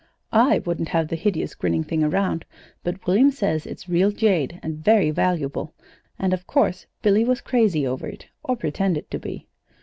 I wouldn't have the hideous, grinning thing around, but William says it's real jade, and very valuable, and of course Billy was crazy over it or pretended to be).